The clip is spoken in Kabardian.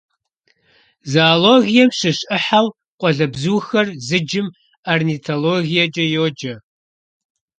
Зоологием щыщ Ӏыхьэу къуалэбзухэр зыджым орнитологиекӀэ йоджэ.